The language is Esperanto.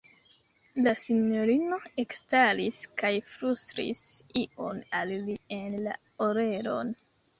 La sinjorino ekstaris kaj flustris ion al li en la orelon.